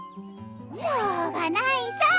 しょうがないさ。